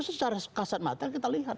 secara kasat mata kita lihat